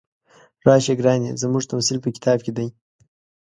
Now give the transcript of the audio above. راشه ګرانې زموږ تمثیل په کتاب کې دی.